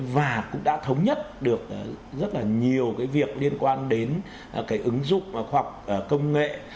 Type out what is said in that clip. và cũng đã thống nhất được rất là nhiều cái việc liên quan đến cái ứng dụng khoa học công nghệ